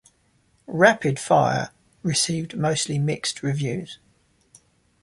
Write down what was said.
"Rapid Fire" received mostly mixed reviews.